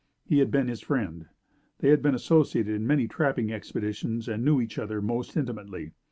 He had been his friend. They had been associated in many trapping expeditions, and knew each other most intimately.